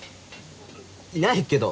いないけど。